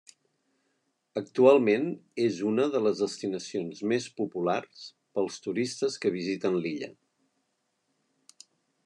Actualment és una de les destinacions més populars per als turistes que visiten l'illa.